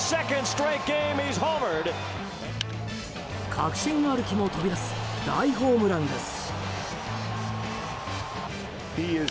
確信歩きも飛び出す大ホームランです。